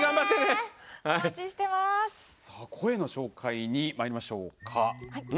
声の紹介にまいりましょう。